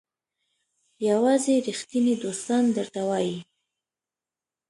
یوازې ریښتیني دوستان درته وایي.